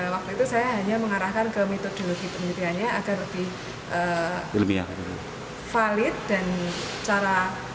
waktu itu saya hanya mengarahkan ke metodologi penelitiannya agar lebih valid dan cara